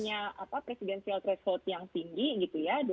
bila adanya presidensial result yang tinggi